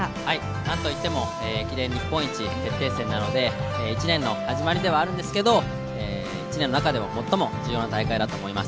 なんといっても駅伝日本一決定戦なので１年の始まりではあるんですけど、１年の中でも最も重要な大会だと思います。